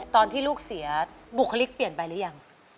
ตอนที่ลูกเสียบุคลิกเปลี่ยนไปหรือยัง